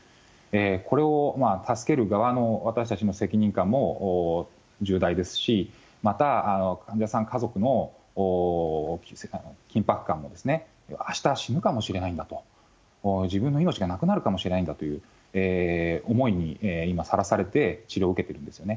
これを助ける側の私たちの責任感も重大ですし、また患者さん家族の緊迫感も、あした死ぬかもしれないんだと、自分の命がなくなるかもしれないんだという思いに今、さらされて、治療を受けてるんですよね。